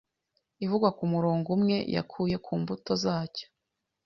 ivugwa ku murongo umwe: "yakuye ku mbuto zacyo